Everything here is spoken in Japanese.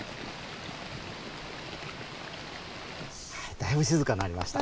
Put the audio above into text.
だいぶしずかになりました。